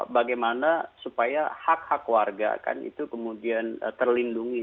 bagaimana supaya hak hak warga kan itu kemudian terlindungi